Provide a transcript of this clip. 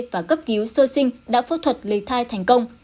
và cấp cứu sơ sinh đã phẫu thuật lấy thai thành công